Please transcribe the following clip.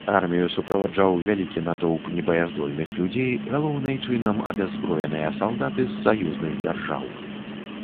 Армію суправаджаў вялікі натоўп небаяздольных людзей, галоўнай чынам абяззброеныя салдаты з саюзных дзяржаў.